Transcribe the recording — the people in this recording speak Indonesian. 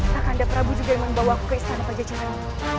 tak ada prabu juga yang membawaku ke istana pajajaran